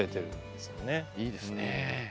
いいですね。